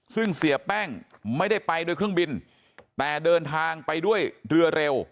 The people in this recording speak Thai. ซึ่งเสียแป้งไม่ได้ไปด้วยเครื่องบินแต่เดินทางไปด้วยเรือเร็ว